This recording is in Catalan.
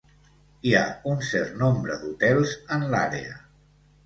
Hi ha un cert nombre d'hotels en l'àrea.